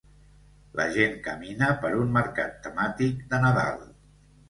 La gent camina per un mercat temàtic de Nadal